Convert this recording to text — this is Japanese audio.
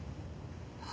あ。